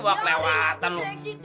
wah kelewatan lu